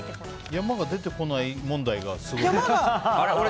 山が出てこない問題が。